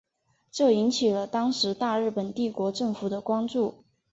这引起了当时大日本帝国政府的关注。